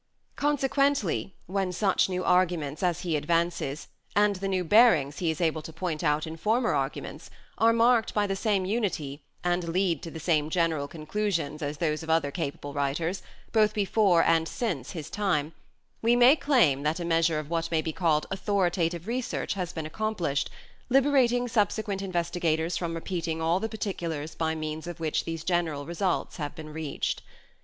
Consequently, when such new arguments as he advances, and the new bearings he is able to point out in former arguments, are marked by the same unity and lead to the same general conclusions as those of other capable writers both before and since his time, we may claim that a measure of what may be called authoritative research has been accomplished, liberating subsequent investigators from repeating all the particulars by means of which these general results have been reached.